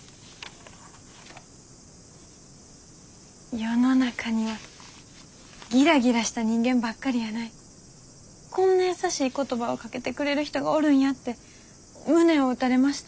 世の中にはギラギラした人間ばっかりやないこんな優しい言葉をかけてくれる人がおるんやって胸を打たれました。